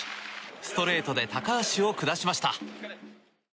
ストレートで高橋を下しました。